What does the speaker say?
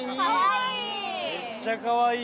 めっちゃかわいい！